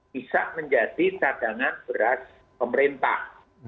bisa menjadi cadangan beras pemerintah